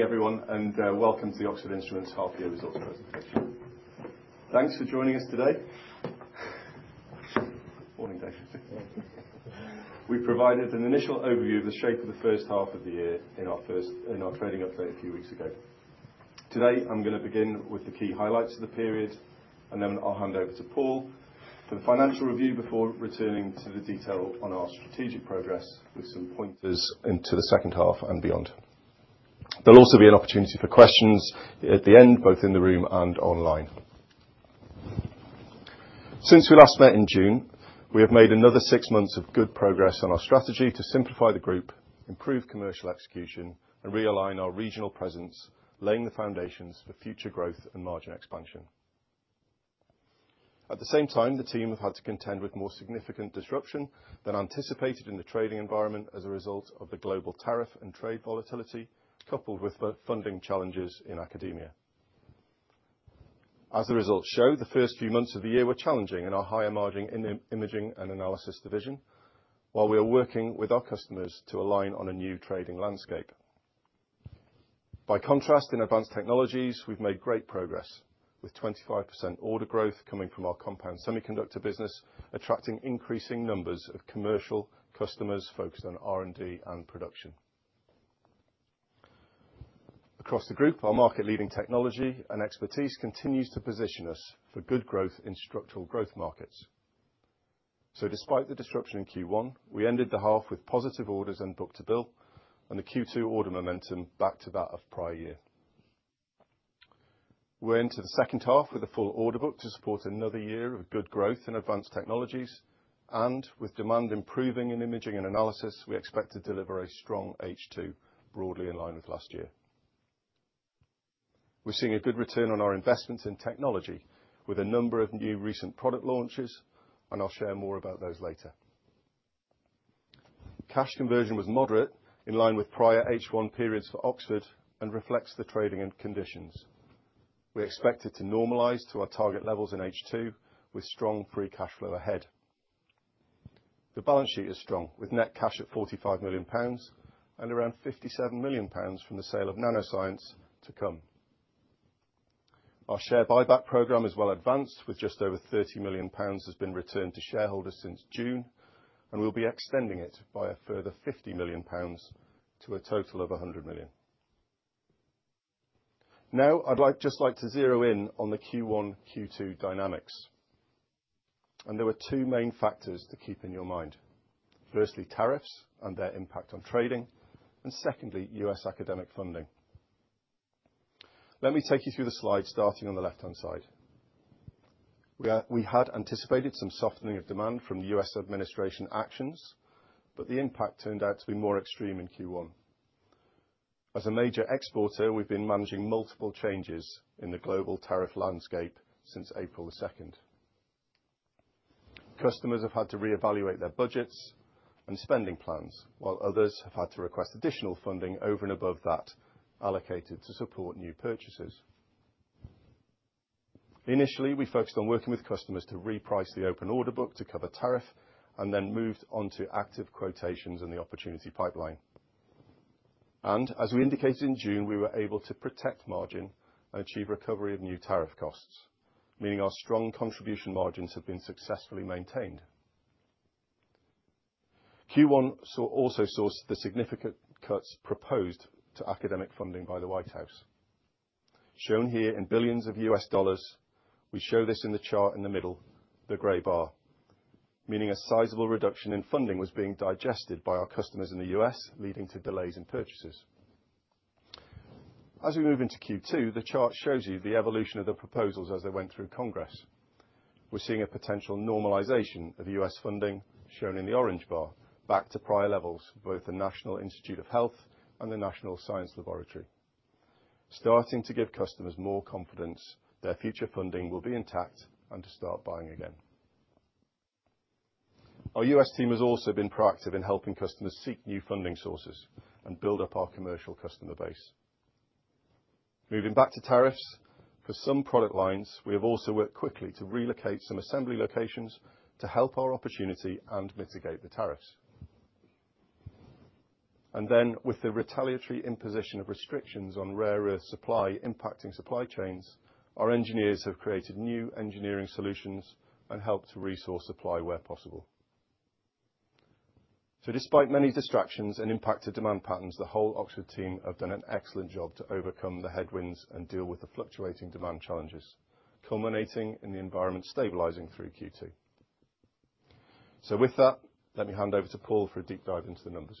Morning, everyone, and welcome to the Oxford Instruments Half-Year Results Presentation. Thanks for joining us today. Morning, David. We provided an initial overview of the shape of the 1st half of the year in our trading update a few weeks ago. Today, I'm going to begin with the key highlights of the period, and then I'll hand over to Paul for the financial review before returning to the detail on our strategic progress with some pointers into the 2nd half and beyond. There'll also be an opportunity for questions at the end, both in the room and online. Since we last met in June, we have made another six months of good progress on our strategy to simplify the group, improve commercial execution, and realign our regional presence, laying the foundations for future growth and margin expansion. At the same time, the team have had to contend with more significant disruption than anticipated in the trading environment as a result of the global tariff and trade volatility, coupled with funding challenges in academia. As the results show, the first few months of the year were challenging in our higher margin Imaging & Analysis division, while we are working with our customers to align on a new trading landscape. By contrast, in Advanced Technologies, we've made great progress, with 25% order growth coming from our compound semiconductor business, attracting increasing numbers of commercial customers focused on R&D and production. Across the group, our market-leading technology and expertise continues to position us for good growth in structural growth markets. So, despite the disruption in Q1, we ended the half with positive orders and book-to-bill, and the Q2 order momentum back to that of prior year. We're into the 2nd half with a full order book to support another year of good growth in Advanced Technologies, and with demand improving in Imaging & Analysis, we expect to deliver a strong H2, broadly in line with last year. We're seeing a good return on our investments in technology, with a number of new recent product launches, and I'll share more about those later. Cash conversion was moderate, in line with prior H1 periods for Oxford, and reflects the trading conditions. We expect it to normalize to our target levels in H2, with strong free cash flow ahead. The balance sheet is strong, with net cash at 45 million pounds and around 57 million pounds from the sale of Nanoscience to come. Our share buyback program is well advanced, with just over 30 million pounds has been returned to shareholders since June, and we'll be extending it by a further 50 million pounds to a total of 100 million. Now, I'd just like to zero in on the Q1/Q2 dynamics, and there were two main factors to keep in your mind. Firstly, tariffs and their impact on trading, and secondly, U.S. academic funding. Let me take you through the slide, starting on the left-hand side. We had anticipated some softening of demand from the U.S. Administration actions, but the impact turned out to be more extreme in Q1. As a major exporter, we've been managing multiple changes in the global tariff landscape since April the 2nd. Customers have had to reevaluate their budgets and spending plans, while others have had to request additional funding over and above that allocated to support new purchases. Initially, we focused on working with customers to reprice the open order book to cover tariff, and then moved on to active quotations and the opportunity pipeline. And as we indicated in June, we were able to protect margin and achieve recovery of new tariff costs, meaning our strong contribution margins have been successfully maintained. Q1 also saw the significant cuts proposed to academic funding by the White House, shown here in billions of U.S. dollars. We show this in the chart in the middle, the gray bar, meaning a sizable reduction in funding was being digested by our customers in the U.S., leading to delays in purchases. As we move into Q2, the chart shows you the evolution of the proposals as they went through Congress. We're seeing a potential normalization of U.S. funding, shown in the orange bar, back to prior levels, both the National Institutes of Health and the National Science Foundation, starting to give customers more confidence their future funding will be intact and to start buying again. Our U.S. team has also been proactive in helping customers seek new funding sources and build up our commercial customer base. Moving back to tariffs, for some product lines, we have also worked quickly to relocate some assembly locations to help our opportunity and mitigate the tariffs. Then, with the retaliatory imposition of restrictions on rare earth supply impacting supply chains, our engineers have created new engineering solutions and helped to resource supply where possible. So, despite many distractions and impacted demand patterns, the whole Oxford team have done an excellent job to overcome the headwinds and deal with the fluctuating demand challenges, culminating in the environment stabilizing through Q2. So, with that, let me hand over to Paul for a deep dive into the numbers.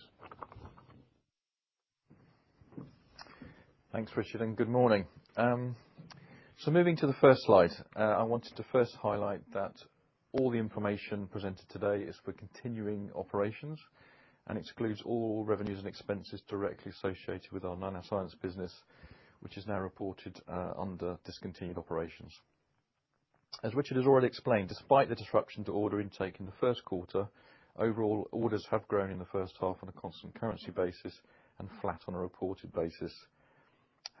Thanks, Richard, and good morning. So, moving to the first slide, I wanted to first highlight that all the information presented today is for continuing operations and excludes all revenues and expenses directly associated with our Nanoscience business, which is now reported under discontinued operations. As Richard has already explained, despite the disruption to order intake in the 1st quarter, overall orders have grown in the 1st half on a constant currency basis and flat on a reported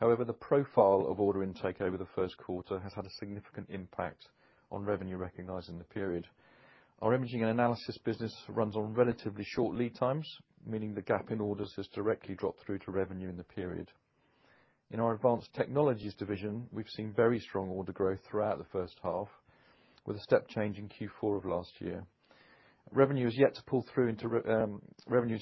basis. However, the profile of order intake over the 1st quarter has had a significant impact on revenue recognized in the period. Our Imaging & Analysis business runs on relatively short lead times, meaning the gap in orders has directly dropped through to revenue in the period. In our Advanced Technologies division, we've seen very strong order growth throughout the 1st half, with a step change in Q4 of last year. Revenue has yet to pull through into revenue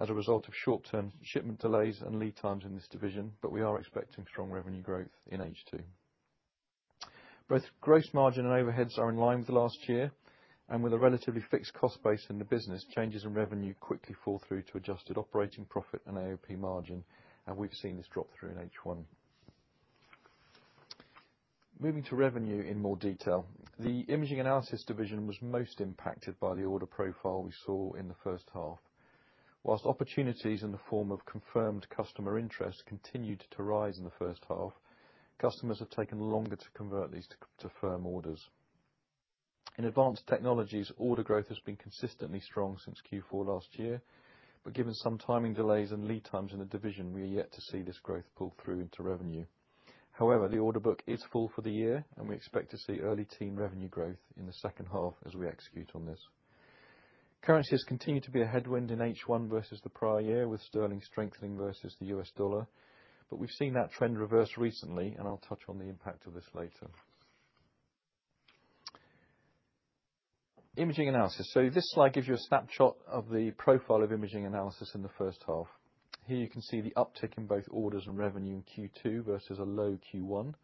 as a result of short-term shipment delays and lead times in this division, but we are expecting strong revenue growth in H2. Both gross margin and overheads are in line with last year, and with a relatively fixed cost base in the business, changes in revenue quickly fall through to adjusted operating profit and AOP margin, and we've seen this drop through in H1. Moving to revenue in more detail, the Imaging & Analysis division was most impacted by the order profile we saw in the 1st half. While opportunities in the form of confirmed customer interest continued to rise in the 1st half, customers have taken longer to convert these to firm orders. In Advanced Technologies, order growth has been consistently strong since Q4 last year, but given some timing delays and lead times in the division, we are yet to see this growth pull through into revenue. However, the order book is full for the year, and we expect to see early teen revenue growth in the 2nd half as we execute on this. Currency has continued to be a headwind in H1 versus the prior year, with sterling strengthening versus the U.S. dollar, but we've seen that trend reverse recently, and I'll touch on the impact of this later. Imaging & Analysis. So, this slide gives you a snapshot of the profile of Imaging & Analysis in the 1st half. Here, you can see the uptick in both orders and revenue in Q2 versus a low Q1,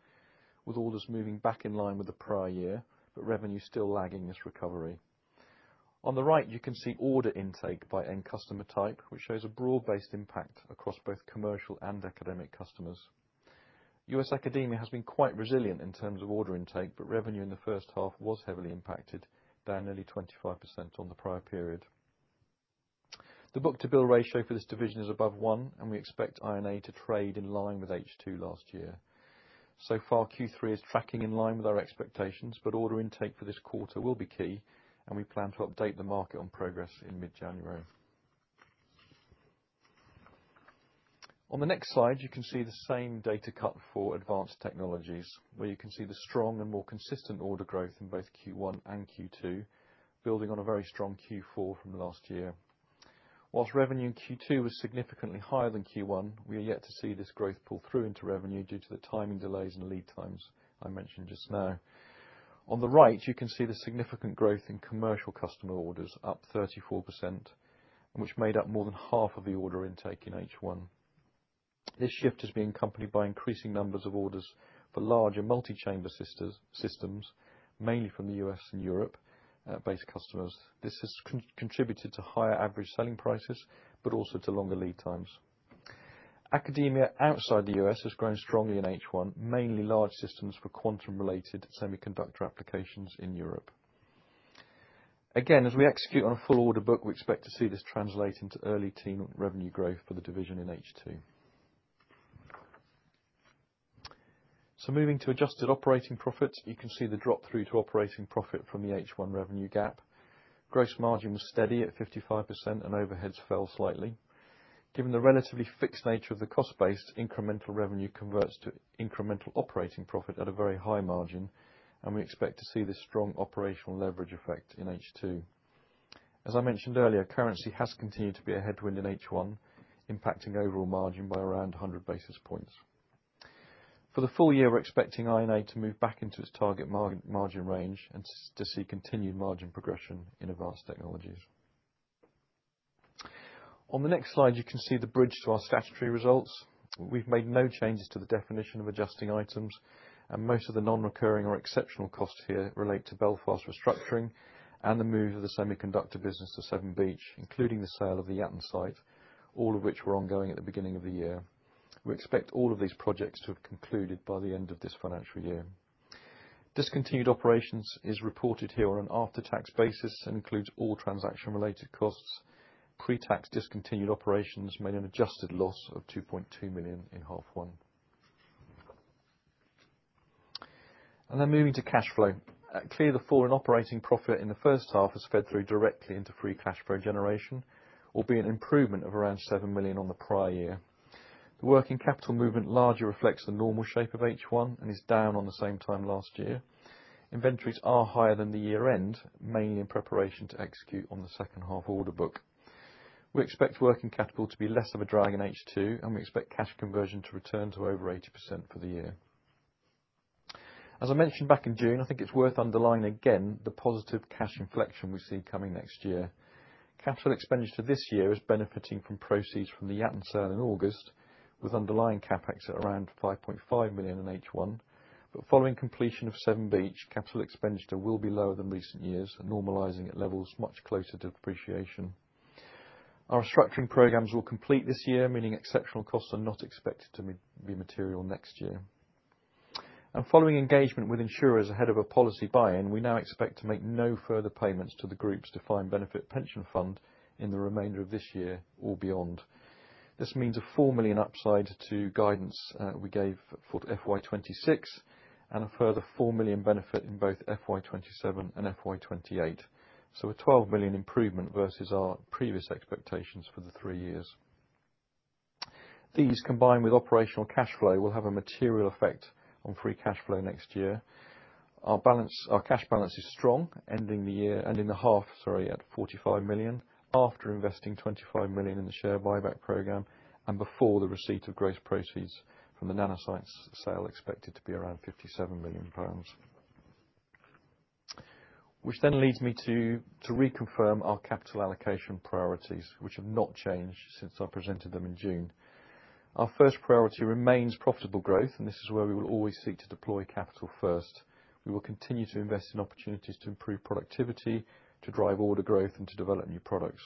with orders moving back in line with the prior year, but revenue still lagging this recovery. On the right, you can see order intake by end customer type, which shows a broad-based impact across both commercial and academic customers. U.S. academia has been quite resilient in terms of order intake, but revenue in the 1st half was heavily impacted, down nearly 25% on the prior period. The book-to-bill ratio for this division is above one, and we expect I&A to trade in line with H2 last year. So far, Q3 is tracking in line with our expectations, but order intake for this quarter will be key, and we plan to update the market on progress in mid-January. On the next slide, you can see the same data cut for Advanced Technologies, where you can see the strong and more consistent order growth in both Q1 and Q2, building on a very strong Q4 from last year. While revenue in Q2 was significantly higher than Q1, we are yet to see this growth pull through into revenue due to the timing delays and lead times I mentioned just now. On the right, you can see the significant growth in commercial customer orders, up 34%, which made up more than half of the order intake in H1. This shift has been accompanied by increasing numbers of orders for larger multi-chamber systems, mainly from the U.S. and Europe-based customers. This has contributed to higher average selling prices, but also to longer lead times. Academia outside the U.S. has grown strongly in H1, mainly large systems for quantum-related semiconductor applications in Europe. Again, as we execute on a full order book, we expect to see this translate into early teen revenue growth for the division in H2. Moving to adjusted operating profits, you can see the drop through to operating profit from the H1 revenue gap. Gross margin was steady at 55%, and overheads fell slightly. Given the relatively fixed nature of the cost base, incremental revenue converts to incremental operating profit at a very high margin, and we expect to see this strong operational leverage effect in H2. As I mentioned earlier, currency has continued to be a headwind in H1, impacting overall margin by around 100 basis points. For the full year, we're expecting I&A to move back into its target margin range and to see continued margin progression in Advanced Technologies. On the next slide, you can see the bridge to our statutory results. We've made no changes to the definition of adjusting items, and most of the non-recurring or exceptional costs here relate to Belfast restructuring and the move of the semiconductor business to Severn Beach, including the sale of the Yatton site, all of which were ongoing at the beginning of the year. We expect all of these projects to have concluded by the end of this financial year. Discontinued operations is reported here on an after-tax basis and includes all transaction-related costs. Pre-tax discontinued operations made an adjusted loss of 2.2 million in half one. And then moving to cash flow. Clearly, the fall in operating profit in the 1st half has fed through directly into free cash flow generation, albeit an improvement of around 7 million on the prior year. The working capital movement largely reflects the normal shape of H1 and is down on the same time last year. Inventories are higher than the year-end, mainly in preparation to execute on the 2nd half order book. We expect working capital to be less of a drag in H2, and we expect cash conversion to return to over 80% for the year. As I mentioned back in June, I think it's worth underlining again the positive cash inflection we see coming next year. Capital expenditure this year is benefiting from proceeds from the Yatton sale in August, with underlying CapEx at around 5.5 million in H1, but following completion of Severn Beach, capital expenditure will be lower than recent years, normalizing at levels much closer to depreciation. Our restructuring programs will complete this year, meaning exceptional costs are not expected to be material next year. Following engagement with insurers ahead of a policy buy-in, we now expect to make no further payments to the group's defined benefit pension fund in the remainder of this year or beyond. This means a 4 million upside to guidance we gave for FY2026 and a further 4 million benefit in both FY2027 and FY2028. A 12 million improvement versus our previous expectations for the three years. These, combined with operational cash flow, will have a material effect on free cash flow next year. Our cash balance is strong, ending the half, sorry, at 45 million after investing 25 million in the share buyback program and before the receipt of gross proceeds from the Nanoscience sale expected to be around 57 million pounds. Which then leads me to reconfirm our capital allocation priorities, which have not changed since I presented them in June. Our first priority remains profitable growth, and this is where we will always seek to deploy capital first. We will continue to invest in opportunities to improve productivity, to drive order growth, and to develop new products.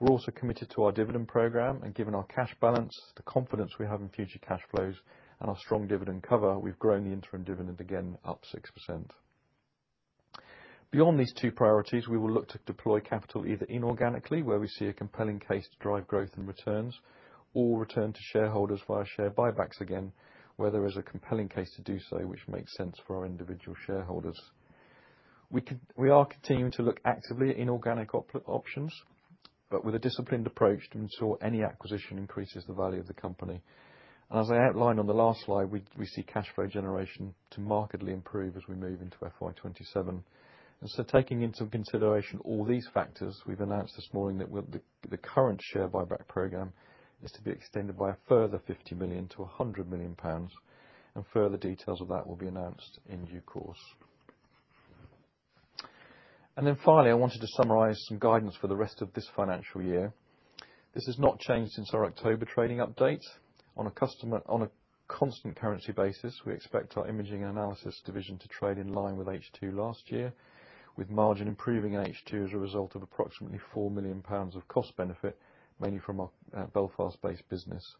We're also committed to our dividend program and, given our cash balance, the confidence we have in future cash flows, and our strong dividend cover, we've grown the interim dividend again up 6%. Beyond these two priorities, we will look to deploy capital either inorganically, where we see a compelling case to drive growth and returns, or return to shareholders via share buybacks again, where there is a compelling case to do so, which makes sense for our individual shareholders. We are continuing to look actively at inorganic options, but with a disciplined approach to ensure any acquisition increases the value of the company. As I outlined on the last slide, we see cash flow generation to markedly improve as we move into FY2027. And so, taking into consideration all these factors, we've announced this morning that the current share buyback program is to be extended by a further 50 million-100 million pounds, and further details of that will be announced in due course. And then finally, I wanted to summarize some guidance for the rest of this financial year. This has not changed since our October trading update. On a constant currency basis, we expect our Imaging & Analysis division to trade in line with H2 last year, with margin improving in H2 as a result of approximately 4 million pounds of cost benefit, mainly from our Belfast-based business.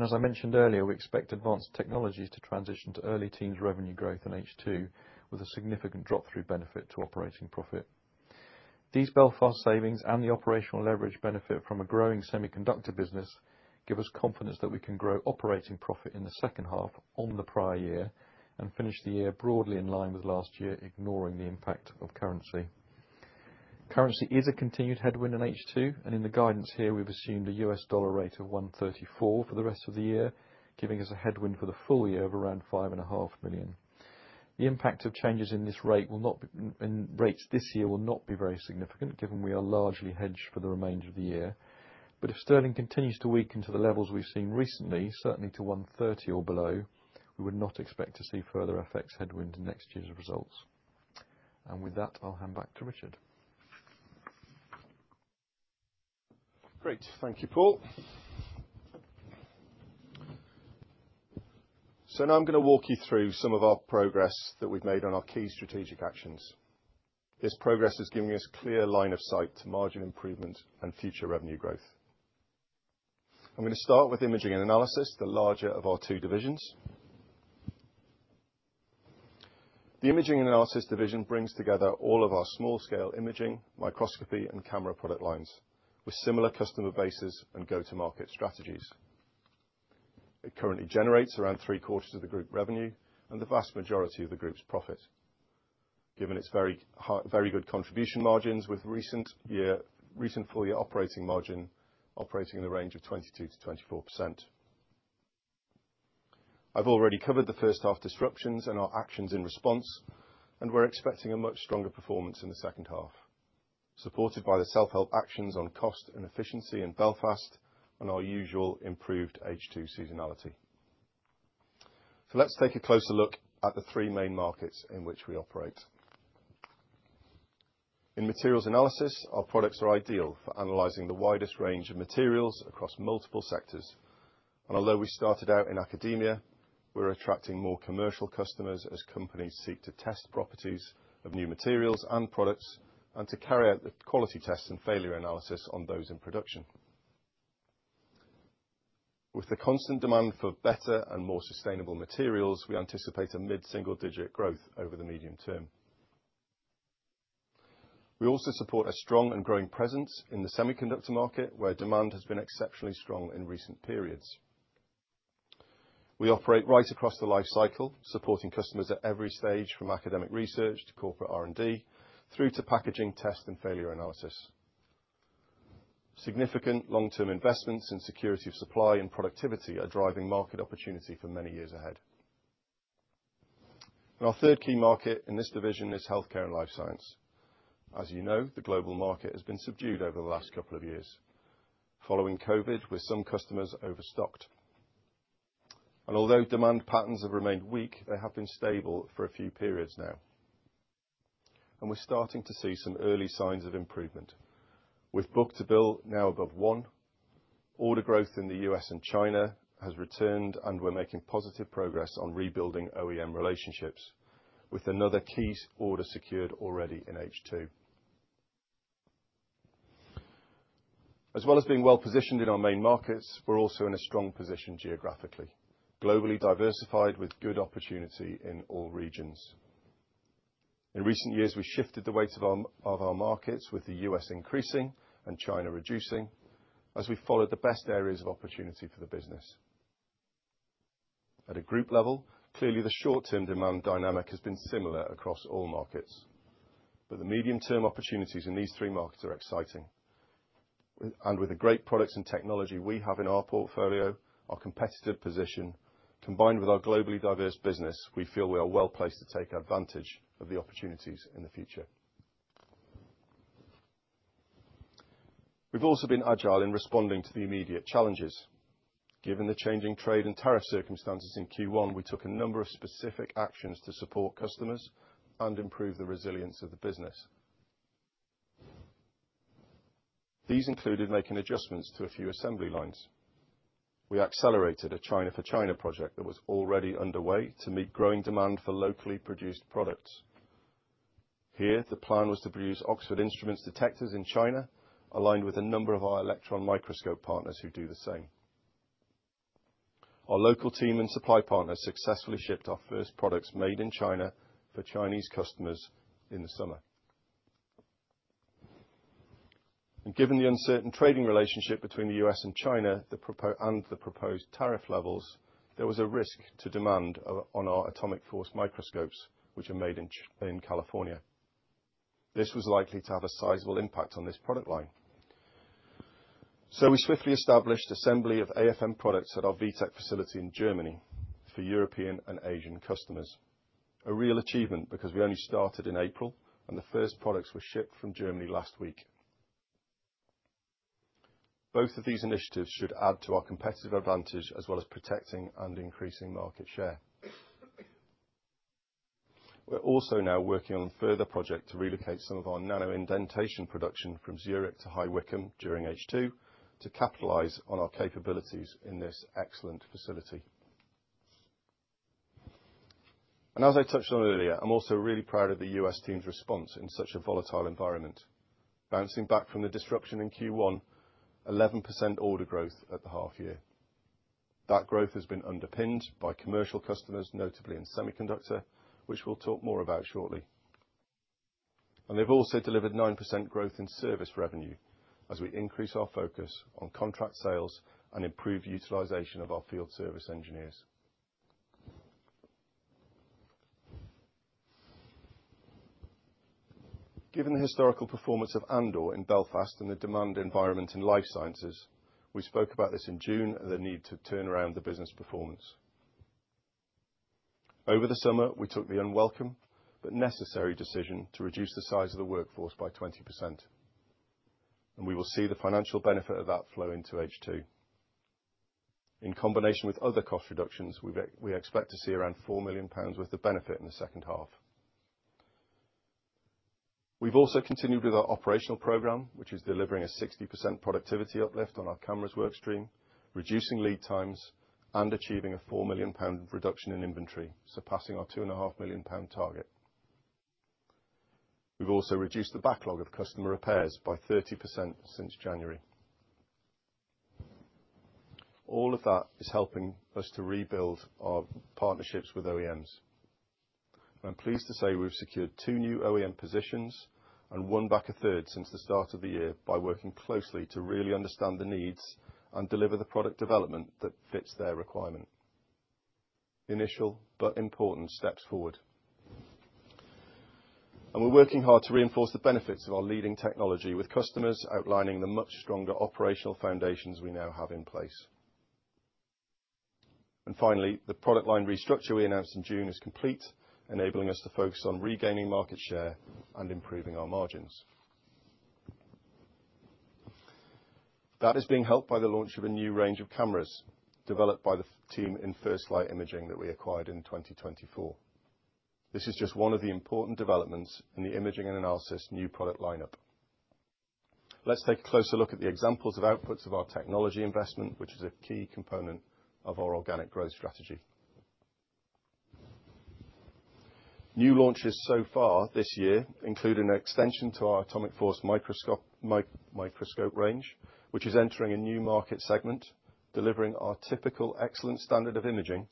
As I mentioned earlier, we expect Advanced Technologies to transition to early teens revenue growth in H2, with a significant drop through benefit to operating profit. These Belfast savings and the operational leverage benefit from a growing semiconductor business give us confidence that we can grow operating profit in the 2nd half on the prior year and finish the year broadly in line with last year, ignoring the impact of currency. Currency is a continued headwind in H2, and in the guidance here, we've assumed a U.S. dollar rate of $1.34 for the rest of the year, giving us a headwind for the full year of around 5.5 million. The impact of changes in this rate this year will not be very significant, given we are largely hedged for the remainder of the year. But if sterling continues to weaken to the levels we've seen recently, certainly to 1.30 or below, we would not expect to see further FX headwinds in next year's results. And with that, I'll hand back to Richard. Great. Thank you, Paul. So now I'm going to walk you through some of our progress that we've made on our key strategic actions. This progress has given us clear line of sight to margin improvement and future revenue growth. I'm going to start with Imaging & Analysis, the larger of our two divisions. The Imaging & Analysis division brings together all of our small-scale imaging, microscopy, and camera product lines with similar customer bases and go-to-market strategies. It currently generates around three-quarters of the group revenue and the vast majority of the group's profit, given its very good contribution margins with recent full-year operating margin operating in the range of 22%-24%. I've already covered the 1st half disruptions and our actions in response, and we're expecting a much stronger performance in the 2nd half, supported by the self-help actions on cost and efficiency in Belfast and our usual improved H2 seasonality. So let's take a closer look at the three main markets in which we operate. In materials analysis, our products are ideal for analyzing the widest range of materials across multiple sectors. And although we started out in academia, we're attracting more commercial customers as companies seek to test properties of new materials and products and to carry out the quality tests and failure analysis on those in production. With the constant demand for better and more sustainable materials, we anticipate a mid-single-digit growth over the medium term. We also support a strong and growing presence in the semiconductor market, where demand has been exceptionally strong in recent periods. We operate right across the life cycle, supporting customers at every stage from academic research to corporate R&D through to packaging test and failure analysis. Significant long-term investments in security of supply and productivity are driving market opportunity for many years ahead. And our third key market in this division is healthcare and life science. As you know, the global market has been subdued over the last couple of years, following COVID, with some customers overstocked. And although demand patterns have remained weak, they have been stable for a few periods now. And we're starting to see some early signs of improvement, with book-to-bill now above one. Order growth in the U.S. and China has returned, and we're making positive progress on rebuilding OEM relationships, with another key order secured already in H2. As well as being well-positioned in our main markets, we're also in a strong position geographically, globally diversified with good opportunity in all regions. In recent years, we shifted the weight of our markets, with the U.S. increasing and China reducing, as we followed the best areas of opportunity for the business. At a group level, clearly, the short-term demand dynamic has been similar across all markets, but the medium-term opportunities in these three markets are exciting. And with the great products and technology we have in our portfolio, our competitive position, combined with our globally diverse business, we feel we are well-placed to take advantage of the opportunities in the future. We've also been agile in responding to the immediate challenges. Given the changing trade and tariff circumstances in Q1, we took a number of specific actions to support customers and improve the resilience of the business. These included making adjustments to a few assembly lines. We accelerated a China-for-China project that was already underway to meet growing demand for locally produced products. Here, the plan was to produce Oxford Instruments detectors in China, aligned with a number of our electron microscope partners who do the same. Our local team and supply partners successfully shipped our first products made in China for Chinese customers in the summer, and given the uncertain trading relationship between the U.S. and China and the proposed tariff levels, there was a risk to demand on our atomic force microscopes, which are made in California. This was likely to have a sizable impact on this product line. So we swiftly established assembly of AFM products at our WITec facility in Germany for European and Asian customers. A real achievement because we only started in April, and the first products were shipped from Germany last week. Both of these initiatives should add to our competitive advantage as well as protecting and increasing market share. We're also now working on further projects to relocate some of our nanoindentation production from Zurich to High Wycombe during H2 to capitalize on our capabilities in this excellent facility. And as I touched on earlier, I'm also really proud of the U.S. team's response in such a volatile environment, bouncing back from the disruption in Q1, 11% order growth at the half year. That growth has been underpinned by commercial customers, notably in semiconductor, which we'll talk more about shortly. They've also delivered 9% growth in service revenue as we increase our focus on contract sales and improve utilization of our field service engineers. Given the historical performance of Andor in Belfast and the demand environment in life sciences, we spoke about this in June and the need to turn around the business performance. Over the summer, we took the unwelcome but necessary decision to reduce the size of the workforce by 20%. We will see the financial benefit of that flow into H2. In combination with other cost reductions, we expect to see around 4 million pounds worth of benefit in the 2nd half. We've also continued with our operational program, which is delivering a 60% productivity uplift on our cameras workstream, reducing lead times, and achieving a 4 million pound reduction in inventory, surpassing our 2.5 million pound target. We've also reduced the backlog of customer repairs by 30% since January. All of that is helping us to rebuild our partnerships with OEMs, and I'm pleased to say we've secured two new OEM positions and won back a third since the start of the year by working closely to really understand the needs and deliver the product development that fits their requirement. Initial but important steps forward, and we're working hard to reinforce the benefits of our leading technology with customers outlining the much stronger operational foundations we now have in place. And finally, the product line restructure we announced in June is complete, enabling us to focus on regaining market share and improving our margins. That is being helped by the launch of a new range of cameras developed by the team in First Light Imaging that we acquired in 2024. This is just one of the important developments in the Imaging & Analysis new product lineup. Let's take a closer look at the examples of outputs of our technology investment, which is a key component of our organic growth strategy. New launches so far this year include an extension to our atomic force microscope range, which is entering a new market segment, delivering our typical excellent standard of imaging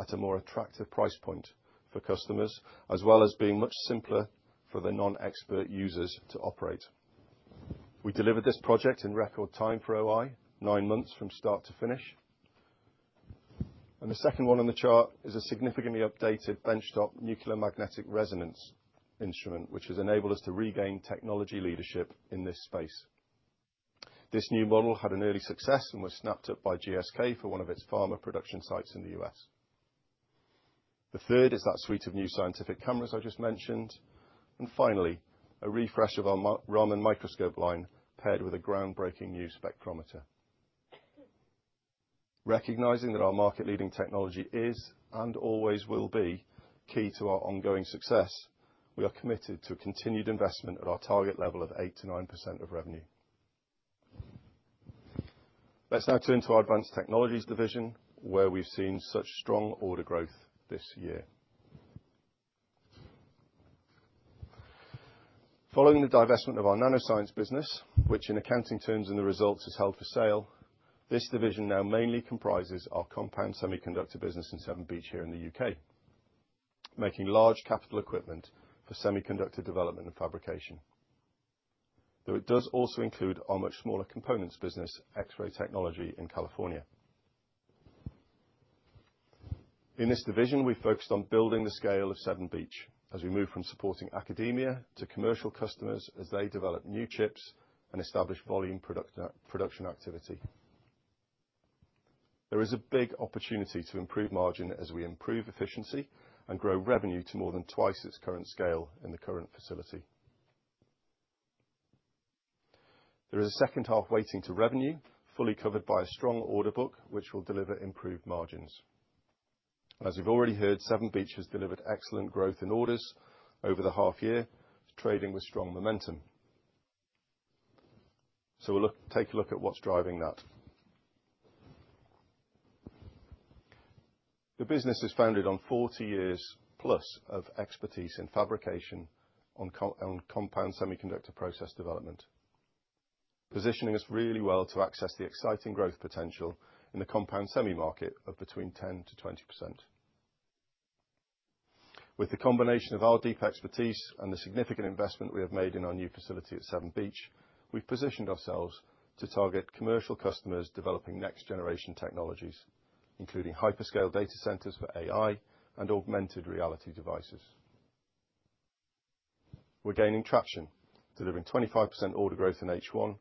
at a more attractive price point for customers, as well as being much simpler for the non-expert users to operate. We delivered this project in record time for OI, nine months from start to finish, and the second one on the chart is a significantly updated benchtop nuclear magnetic resonance instrument, which has enabled us to regain technology leadership in this space. This new model had an early success and was snapped up by GSK for one of its pharma production sites in the U.S. The third is that suite of new scientific cameras I just mentioned, and finally, a refresh of our Raman microscope line paired with a groundbreaking new spectrometer. Recognizing that our market-leading technology is and always will be key to our ongoing success, we are committed to continued investment at our target level of 8%-9% of revenue. Let's now turn to our Advanced Technologies division, where we've seen such strong order growth this year. Following the divestment of our Nanoscience business, which in accounting terms and the results is held for sale, this division now mainly comprises our compound semiconductor business in Severn Beach here in the U.K., making large capital equipment for semiconductor development and fabrication. Though it does also include our much smaller components business, X-Ray Technology in California. In this division, we focused on building the scale of Severn Beach as we move from supporting academia to commercial customers as they develop new chips and establish volume production activity. There is a big opportunity to improve margin as we improve efficiency and grow revenue to more than twice its current scale in the current facility. There is a 2nd half weighted to revenue, fully covered by a strong order book, which will deliver improved margins. As you've already heard, Severn Beach has delivered excellent growth in orders over the half year, trading with strong momentum. So we'll take a look at what's driving that. The business is founded on 40 years plus of expertise in fabrication on compound semiconductor process development, positioning us really well to access the exciting growth potential in the compound semi market of between 10%-20%. With the combination of our deep expertise and the significant investment we have made in our new facility at Severn Beach, we've positioned ourselves to target commercial customers developing next-generation technologies, including hyperscale data centers for AI and augmented reality devices. We're gaining traction, delivering 25% order growth in H1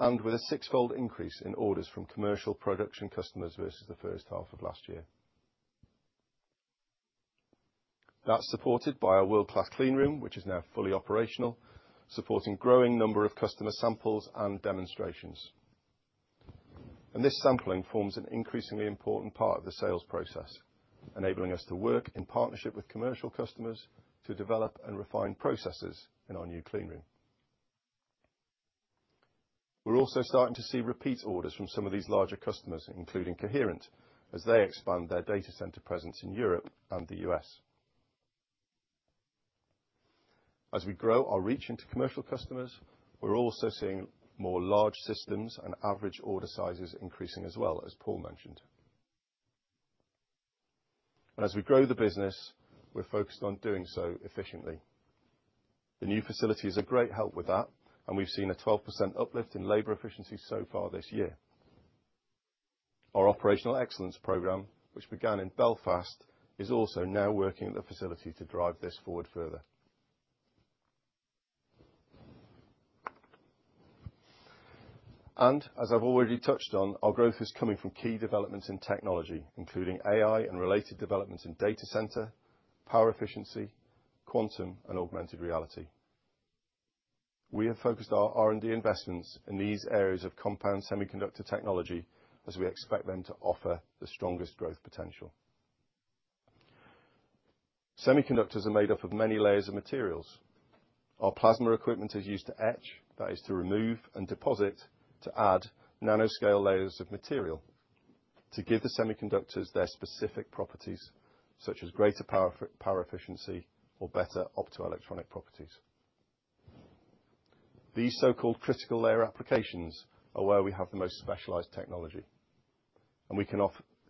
and with a six-fold increase in orders from commercial production customers versus the 1st half of last year. That's supported by our world-class cleanroom, which is now fully operational, supporting a growing number of customer samples and demonstrations. And this sampling forms an increasingly important part of the sales process, enabling us to work in partnership with commercial customers to develop and refine processes in our new cleanroom. We're also starting to see repeat orders from some of these larger customers, including Coherent, as they expand their data center presence in Europe and the U.S. As we grow our reach into commercial customers, we're also seeing more large systems and average order sizes increasing as well, as Paul mentioned. And as we grow the business, we're focused on doing so efficiently. The new facility is a great help with that, and we've seen a 12% uplift in labor efficiency so far this year. Our operational excellence program, which began in Belfast, is also now working at the facility to drive this forward further. And as I've already touched on, our growth is coming from key developments in technology, including AI and related developments in data center, power efficiency, quantum, and augmented reality. We have focused our R&D investments in these areas of compound semiconductor technology as we expect them to offer the strongest growth potential. Semiconductors are made up of many layers of materials. Our plasma equipment is used to etch, that is, to remove and deposit to add nanoscale layers of material to give the semiconductors their specific properties, such as greater power efficiency or better optoelectronic properties. These so-called critical layer applications are where we have the most specialized technology, and we can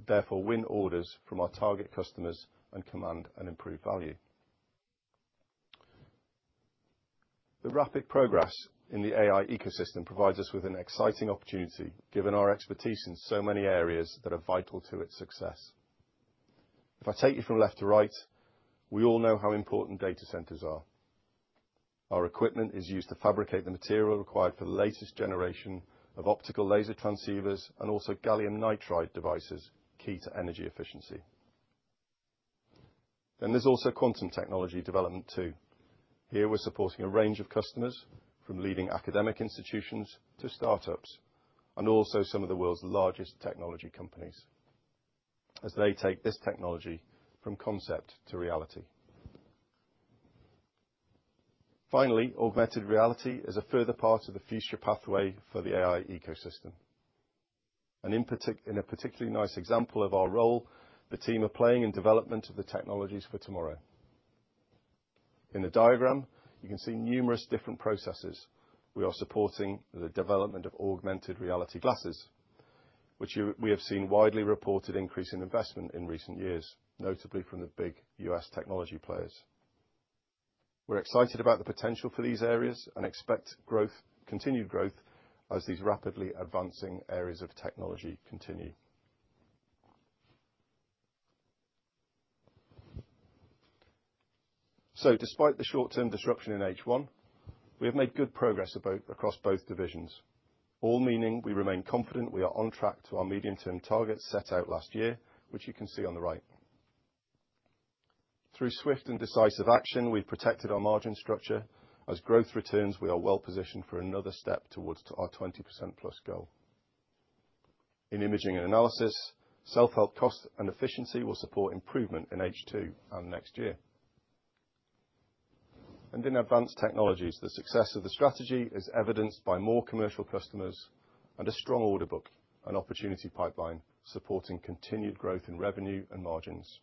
therefore win orders from our target customers and command an improved value. The rapid progress in the AI ecosystem provides us with an exciting opportunity, given our expertise in so many areas that are vital to its success. If I take you from left to right, we all know how important data centers are. Our equipment is used to fabricate the material required for the latest generation of optical laser transceivers and also gallium nitride devices, key to energy efficiency, then there's also quantum technology development too. Here, we're supporting a range of customers from leading academic institutions to startups and also some of the world's largest technology companies as they take this technology from concept to reality. Finally, augmented reality is a further part of the future pathway for the AI ecosystem, and in a particularly nice example of our role, the team are playing in development of the technologies for tomorrow. In the diagram, you can see numerous different processes. We are supporting the development of augmented reality glasses, which we have seen widely reported increase in investment in recent years, notably from the big U.S. technology players. We're excited about the potential for these areas and expect continued growth as these rapidly advancing areas of technology continue. Despite the short-term disruption in H1, we have made good progress across both divisions, all meaning we remain confident we are on track to our medium-term targets set out last year, which you can see on the right. Through swift and decisive action, we've protected our margin structure. As growth returns, we are well positioned for another step towards our 20% plus goal. In Imaging & Analysis, self-help cost and efficiency will support improvement in H2 and next year. And in Advanced Technologies, the success of the strategy is evidenced by more commercial customers and a strong order book and opportunity pipeline supporting continued growth in revenue and margins.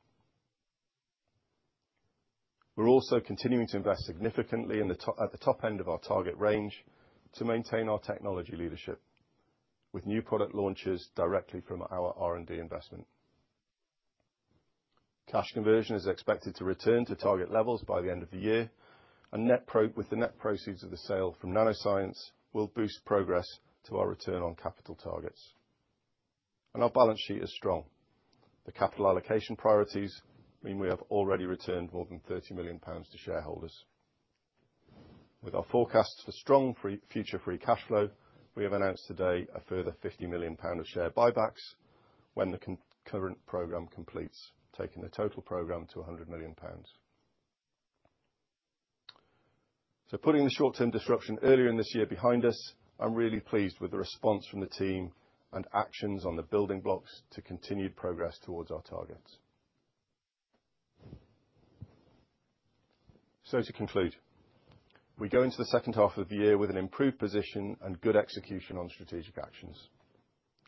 We're also continuing to invest significantly at the top end of our target range to maintain our technology leadership with new product launches directly from our R&D investment. Cash conversion is expected to return to target levels by the end of the year, and with the net proceeds of the sale from Nanoscience, we'll boost progress to our return on capital targets. And our balance sheet is strong. The capital allocation priorities mean we have already returned more than 30 million pounds to shareholders. With our forecasts for strong future free cash flow, we have announced today a further 50 million pound of share buybacks when the current program completes, taking the total program to 100 million pounds. So putting the short-term disruption earlier in this year behind us, I'm really pleased with the response from the team and actions on the building blocks to continued progress towards our targets. So to conclude, we go into the 2nd half of the year with an improved position and good execution on strategic actions.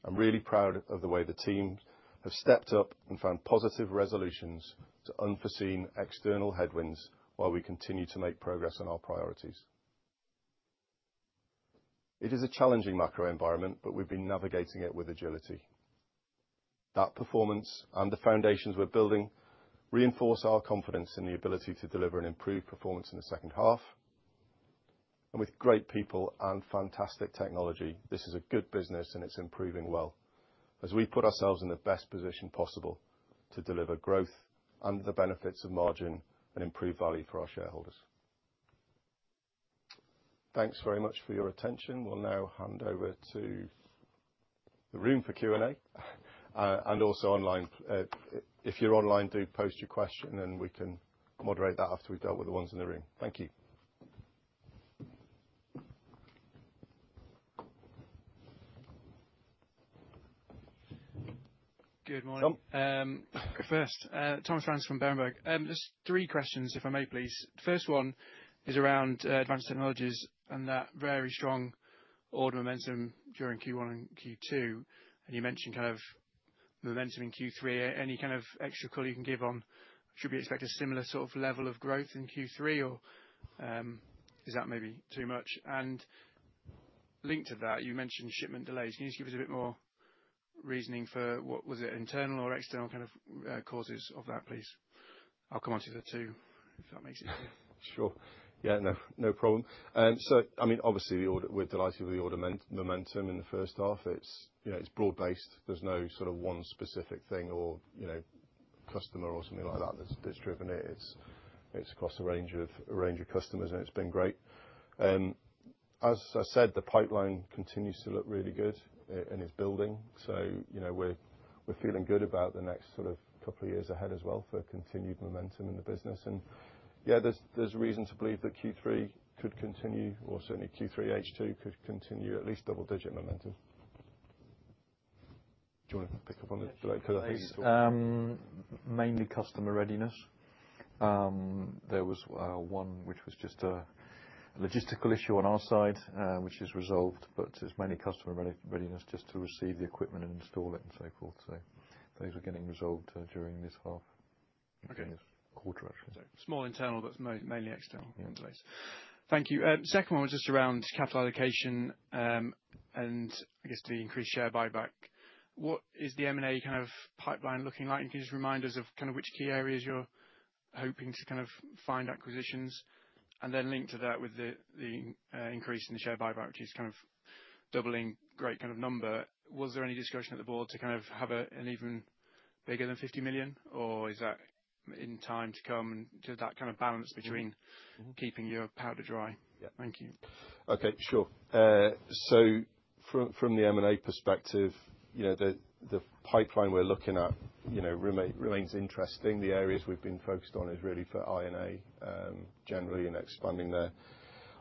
I'm really proud of the way the team have stepped up and found positive resolutions to unforeseen external headwinds while we continue to make progress on our priorities. It is a challenging macro environment, but we've been navigating it with agility. That performance and the foundations we're building reinforce our confidence in the ability to deliver an improved performance in the 2nd half. And with great people and fantastic technology, this is a good business, and it's improving well as we put ourselves in the best position possible to deliver growth and the benefits of margin and improved value for our shareholders. Thanks very much for your attention. We'll now hand over to the room for Q&A and also online. If you're online, do post your question, and we can moderate that after we've dealt with the ones in the room. Thank you. Good morning. First, Thomas Rands from Berenberg. Just three questions, if I may, please. The first one is around Advanced Technologies and that very strong order momentum during Q1 and Q2. And you mentioned kind of momentum in Q3. Any kind of extra call you can give on, should we expect a similar sort of level of growth in Q3, or is that maybe too much? And linked to that, you mentioned shipment delays. Can you just give us a bit more reasoning for what was it, internal or external kind of causes of that, please? I'll come on to the two if that makes any sense. Sure. Yeah, no problem. So I mean, obviously, we're delighted with the order momentum in the 1st half. It's broad-based. There's no sort of one specific thing or customer or something like that that's driven it. It's across a range of customers, and it's been great. As I said, the pipeline continues to look really good, and it's building. So we're feeling good about the next sort of couple of years ahead as well for continued momentum in the business. And yeah, there's reason to believe that Q3 could continue, or certainly Q3H2 could continue at least double-digit momentum. Do you want to pick up on the delay? Because I think. Yeah, mainly customer readiness. There was one which was just a logistical issue on our side, which is resolved, but it's mainly customer readiness just to receive the equipment and install it and so forth. So those are getting resolved during this half, during this quarter, actually. Okay. So small internal, but mainly external delays. Thank you. Second one was just around capital allocation and I guess the increased share buyback. What is the M&A kind of pipeline looking like? And can you just remind us of kind of which key areas you're hoping to kind of find acquisitions? And then link to that with the increase in the share buyback, which is kind of doubling great kind of number. Was there any discussion at the Board to kind of have an even bigger than 50 million, or is that in time to come to that kind of balance between keeping your powder dry? Yeah. Thank you. Okay, sure. So from the M&A perspective, the pipeline we're looking at remains interesting. The areas we've been focused on is really for I&A generally and expanding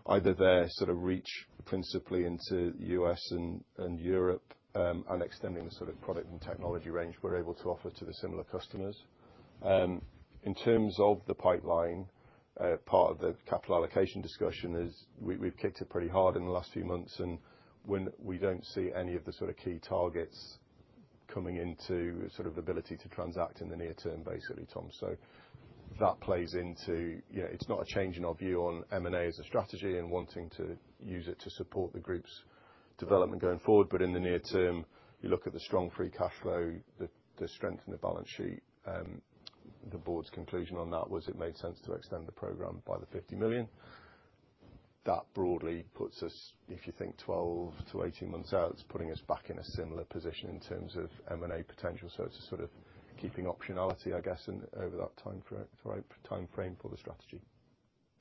either their sort of reach principally into the U.S. and Europe and extending the sort of product and technology range we're able to offer to the similar customers. In terms of the pipeline, part of the capital allocation discussion is we've kicked it pretty hard in the last few months, and we don't see any of the sort of key targets coming into sort of the ability to transact in the near term, basically, Tom. So that plays into it's not a change in our view on M&A as a strategy and wanting to use it to support the group's development going forward. But in the near term, you look at the strong free cash flow, the strength in the balance sheet. The Board's conclusion on that was it made sense to extend the program by the 50 million. That broadly puts us, if you think 12 to 18 months out, it's putting us back in a similar position in terms of M&A potential. So it's a sort of keeping optionality, I guess, over that timeframe for the strategy.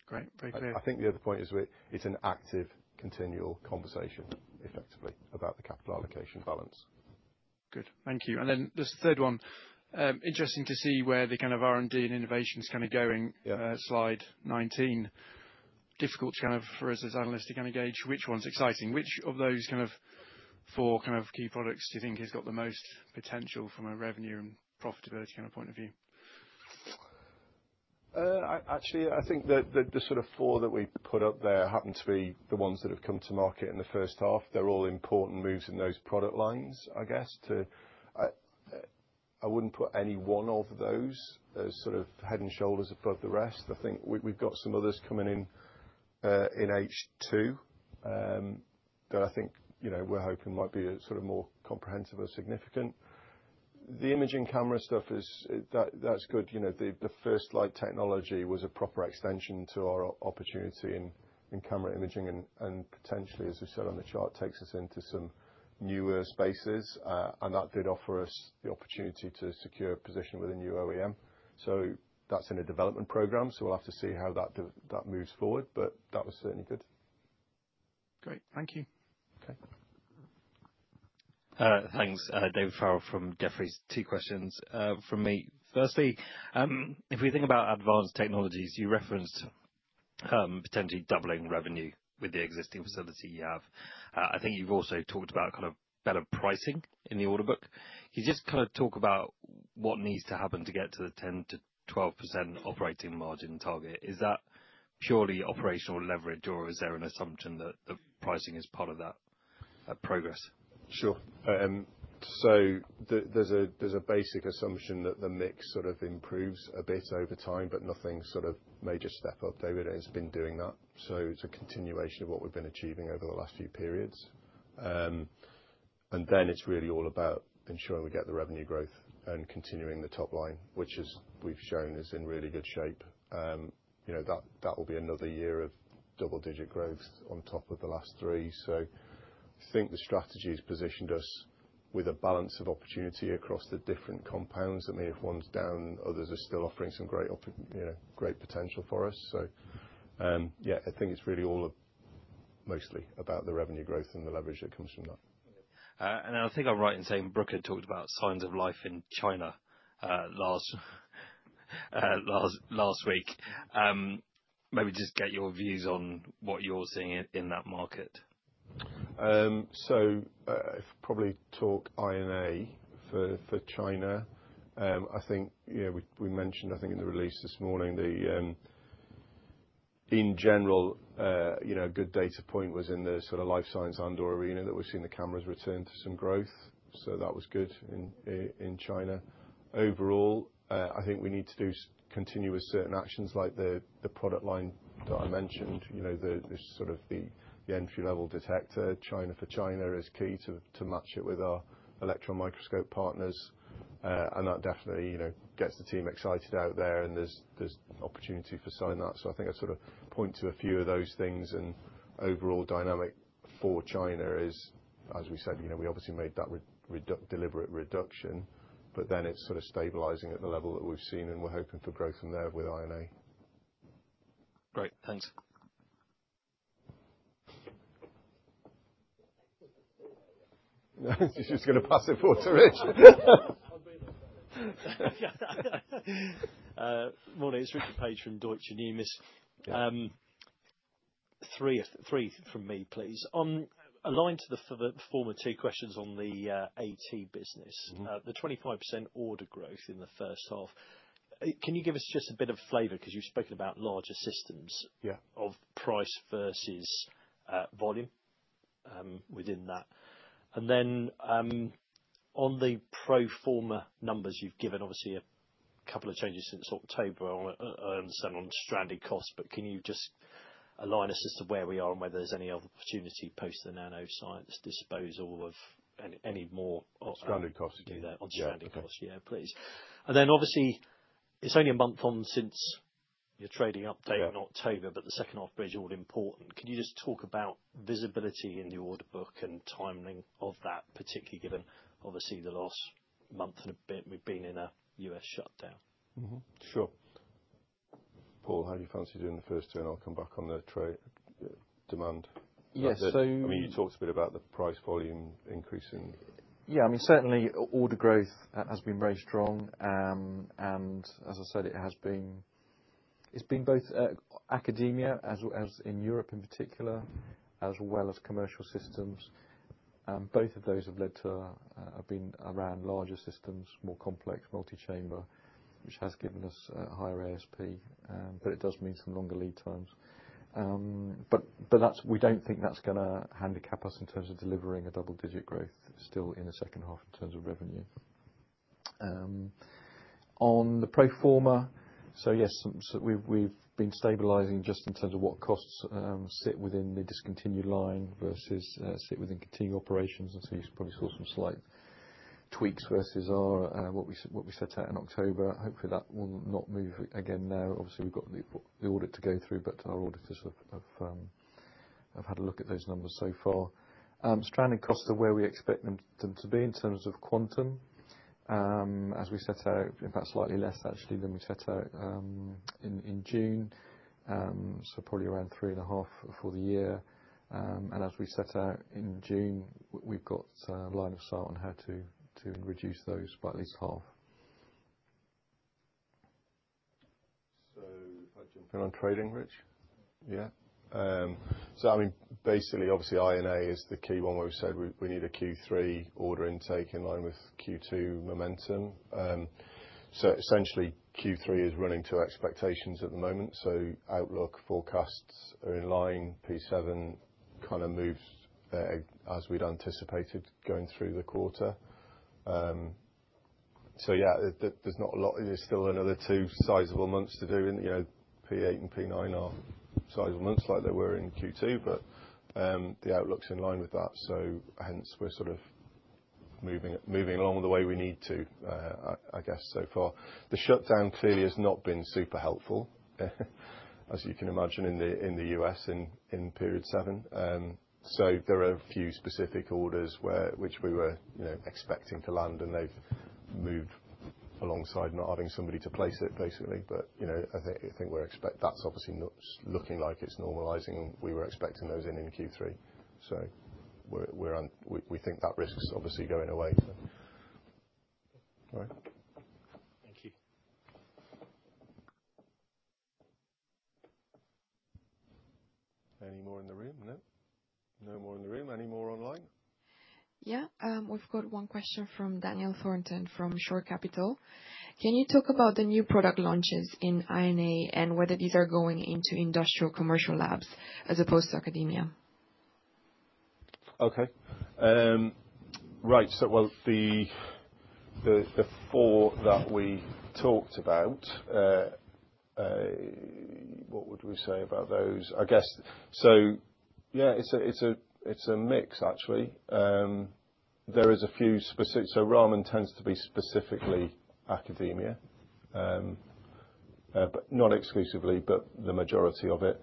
Great. Very clear. I think the other point is it's an active continual conversation, effectively, about the capital allocation balance. Good. Thank you. And then this third one, interesting to see where the kind of R&D and innovation is kind of going, slide 19. Difficult kind of for us as analysts to kind of gauge which one's exciting. Which of those kind of four kind of key products do you think has got the most potential from a revenue and profitability kind of point of view? Actually, I think that the sort of four that we put up there happen to be the ones that have come to market in the 1st half. They're all important moves in those product lines, I guess. I wouldn't put any one of those as sort of head and shoulders above the rest. I think we've got some others coming in H2 that I think we're hoping might be sort of more comprehensive or significant. The imaging camera stuff, that's good. The First Light technology was a proper extension to our opportunity in camera imaging and potentially, as we said on the chart, takes us into some newer spaces, and that did offer us the opportunity to secure a position with a new OEM, so that's in a development program, so we'll have to see how that moves forward, but that was certainly good. Great. Thank you. Okay. Thanks, David Farrell from Jefferies. Two questions from me. Firstly, if we think about Advanced Technologies, you referenced potentially doubling revenue with the existing facility you have. I think you've also talked about kind of better pricing in the order book. Can you just kind of talk about what needs to happen to get to the 10%-12% operating margin target? Is that purely operational leverage, or is there an assumption that the pricing is part of that progress? Sure. So there's a basic assumption that the mix sort of improves a bit over time, but nothing sort of major step up. David has been doing that. So it's a continuation of what we've been achieving over the last few periods. And then it's really all about ensuring we get the revenue growth and continuing the top line, which we've shown is in really good shape. That will be another year of double-digit growth on top of the last three. So I think the strategy has positioned us with a balance of opportunity across the different compounds. I mean, if one's down, others are still offering some great potential for us. So yeah, I think it's really all mostly about the revenue growth and the leverage that comes from that. I think I'm right in saying Bruker had talked about signs of life in China last week. Maybe just get your views on what you're seeing in that market. So if we talk about I&A for China, I think we mentioned, I think, in the release this morning. In general, a good data point was in the sort of life science Andor arena that we've seen the cameras return to some growth. So that was good in China. Overall, I think we need to continue certain actions like the product line that I mentioned, sort of the entry-level detector. China-for-China is key to match it with our electron microscope partners. And that definitely gets the team excited out there, and there's opportunity for selling that. So I think I sort of point to a few of those things. And overall dynamic for China is, as we said, we obviously made that deliberate reduction, but then it's sort of stabilizing at the level that we've seen, and we're hoping for growth from there with I&A. Great. Thanks. She's going to pass it forward to Rich. Morning. It's Richard Paige from Deutsche Numis. Three from me, please. Aligned to the former two questions on the AT business, the 25% order growth in the 1st half, can you give us just a bit of flavor because you've spoken about larger systems of price versus volume within that? And then on the pro forma numbers, you've given obviously a couple of changes since October, I understand, on stranded costs, but can you just align us as to where we are and whether there's any other opportunity post the Nanoscience disposal of any more? Stranded costs. On stranded costs. Yeah, please, and then obviously, it's only a month on since your trading update in October, but the 2nd half of it is all important. Can you just talk about visibility in the order book and timing of that, particularly given obviously the last month and a bit we've been in a U.S. shutdown? Sure. Paul, how do you fancy doing the first two, and I'll come back on the trade demand? I mean, you talked a bit about the price volume increasing. Yeah. I mean, certainly, order growth has been very strong, and as I said, it's been both academia in Europe in particular, as well as commercial systems. Both of those have been around larger systems, more complex, multi-chamber, which has given us higher ASP, but it does mean some longer lead times, but we don't think that's going to handicap us in terms of delivering a double-digit growth still in the 2nd half in terms of revenue. On the pro forma, so yes, we've been stabilizing just in terms of what costs sit within the discontinued line versus sit within continued operations, and so you probably saw some slight tweaks versus what we set out in October. Hopefully, that will not move again now. Obviously, we've got the order to go through, but our auditors have had a look at those numbers so far. Stranded costs are where we expect them to be in terms of quantum. As we set out, in fact, slightly less actually than we set out in June, so probably around three and a half for the year, and as we set out in June, we've got a line of sight on how to reduce those by at least half. So if I jump in on trading, Rich? Yeah. So I mean, basically, obviously, I&A is the key one where we said we need a Q3 order intake in line with Q2 momentum. So essentially, Q3 is running to expectations at the moment. So outlook forecasts are in line. P7 kind of moves as we'd anticipated going through the quarter. So yeah, there's not a lot. There's still another two sizable months to do. P8 and P9 are sizable months like they were in Q2, but the outlook's in line with that. So hence, we're sort of moving along the way we need to, I guess, so far. The shutdown clearly has not been super helpful, as you can imagine, in the U.S. in period seven. So there are a few specific orders which we were expecting to land, and they've moved alongside not having somebody to place it, basically. But I think that's obviously looking like it's normalizing, and we were expecting those in Q3. So we think that risk's obviously going away. All right. Thank you. Any more in the room? No? No more in the room? Any more online? Yeah. We've got one question from Dan Thornton from Shore Capital. Can you talk about the new product launches in I&A and whether these are going into industrial commercial labs as opposed to academia? Okay. Right. Well, the four that we talked about, what would we say about those? I guess so. Yeah, it's a mix, actually. There are a few specifics, so Raman tends to be specifically academia, but not exclusively, but the majority of it.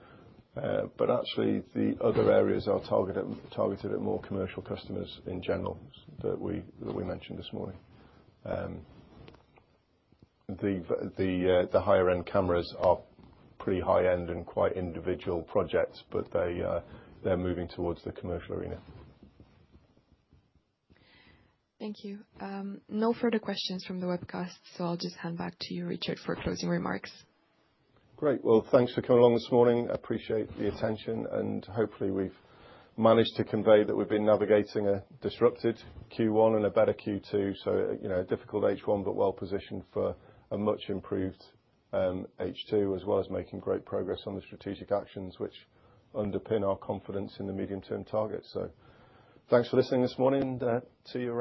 Actually, the other areas are targeted at more commercial customers in general that we mentioned this morning. The higher-end cameras are pretty high-end and quite individual projects, but they're moving towards the commercial arena. Thank you. No further questions from the webcast, so I'll just hand back to you, Richard, for closing remarks. Great. Well, thanks for coming along this morning. Appreciate the attention, and hopefully, we've managed to convey that we've been navigating a disrupted Q1 and a better Q2. So a difficult H1, but well-positioned for a much improved H2, as well as making great progress on the strategic actions which underpin our confidence in the medium-term targets. So thanks for listening this morning. To your.